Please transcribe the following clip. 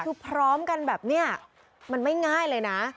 คือพร้อมกันแบบนี้มันไม่ง่ายเลยนะ